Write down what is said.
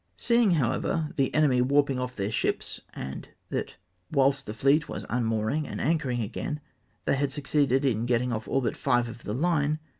See ing, however, the " enemy ivarping off their ships" and that, whilst the fleet was unmooring and anchoring again, " they had succeeded in getti?ig off' all but five of the line!"